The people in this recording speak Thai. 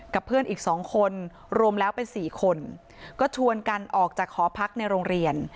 เพื่อนอีกสองคนรวมแล้วเป็นสี่คนก็ชวนกันออกจากหอพักในโรงเรียน